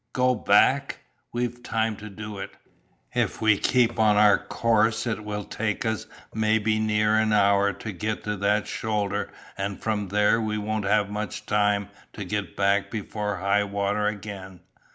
"Go back?" "We've time to do it; if we keep on our course it will take us maybe near an hour to get to that shoulder and from there we won't have much time to get back before high water again.